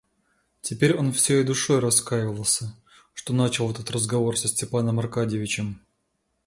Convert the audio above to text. Теперь он всею душой раскаивался, что начал этот разговор со Степаном Аркадьичем.